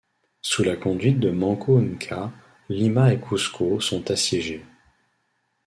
Sous la conduite de Manco Inca, Lima et Cuzco sont assiégées.